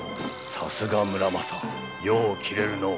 さすが村正よう切れるのう。